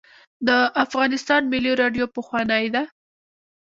د افغانستان ملي راډیو پخوانۍ ده